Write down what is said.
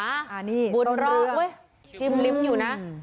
อ่าบุญรอดจิ้มลิ้มอยู่นะ